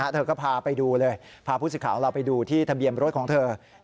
เธอก็พาไปดูเลยพาผู้สิทธิ์ของเราไปดูที่ทะเบียนรถของเธอ